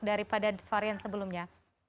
daripada varian sebelumnya